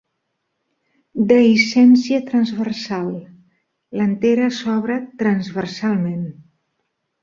Dehiscència transversal: l'antera s'obre transversalment.